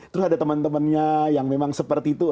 terus ada teman temannya yang memang seperti itu